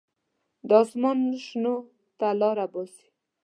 د اسمان شنو ته لاره باسي.